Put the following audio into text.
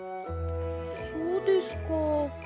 そうですか。